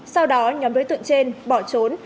sau đó nhóm đối tượng trên bỏ trốn